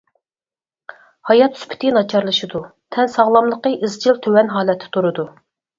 ھايات سۈپىتى ناچارلىشىدۇ، تەن ساغلاملىقى ئىزچىل تۆۋەن ھالەتتە تۇرىدۇ.